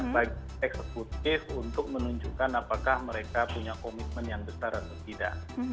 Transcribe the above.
bagi eksekutif untuk menunjukkan apakah mereka punya komitmen yang besar atau tidak